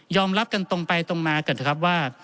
ยอมรับกันตรงไปตรงมากันครับว่า